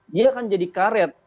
dia kan jadi karet